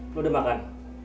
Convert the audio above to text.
lo udah makan